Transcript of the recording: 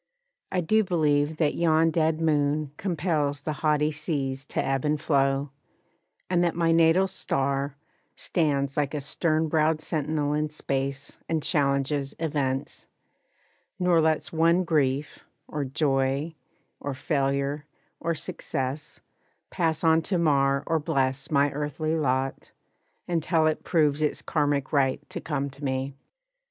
I do believe That yon dead moon compels the haughty seas To ebb and flow, and that my natal star Stands like a stern browed sentinel in space And challenges events; nor lets one grief, Or joy, or failure, or success, pass on To mar or bless my earthly lot, until It proves its Karmic right to come to me.